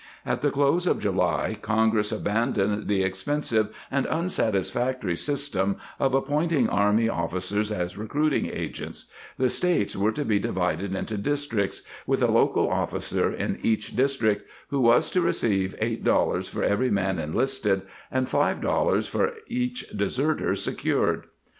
At the close of July Congress abandoned the expensive and unsatisfactory system of appointing army officers as recruiting agents; the States were to be divided into districts, with a local officer in each district, who was to receive $8 for every man en listed and $5 for each deserter secured.